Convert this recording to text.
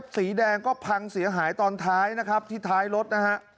สีแดงก็พังเสียหายตอนท้ายนะครับที่ท้ายรถนะฮะ